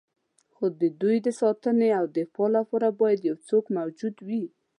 خو د دوی د ساتنې او دفاع لپاره باید یو څوک موجود وي.